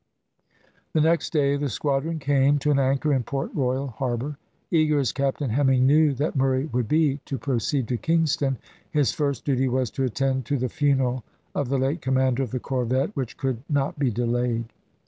The next day the squadron came to an anchor in Port Royal harbour. Eager as Captain Hemming knew that Murray would be to proceed to Kingston, his first duty was to attend to the funeral of the late commander of the corvette, which could not be delayed.